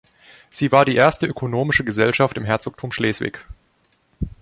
Sie war die erste ökonomische Gesellschaft im Herzogtum Schleswig.